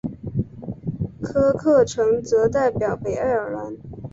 科克城则代表北爱尔兰。